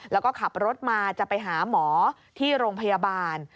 แล้วก็ขับรถมาจะไปหาหมอที่โรงพยาบาล